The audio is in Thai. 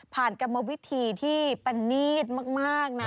กรรมวิธีที่ประนีตมากนะ